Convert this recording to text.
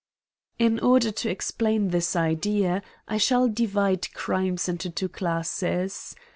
114 AN ESSAY ON In order to explain this idea, I shall divide crimes into two classes.